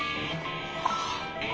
ああ。